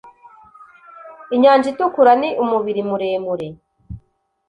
Inyanja Itukura ni umubiri muremure